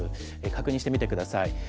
確認してみてください。